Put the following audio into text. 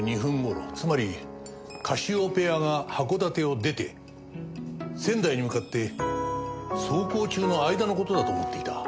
つまりカシオペアが函館を出て仙台に向かって走行中の間の事だと思っていた。